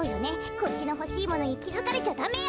こっちのほしいものにきづかれちゃダメよ。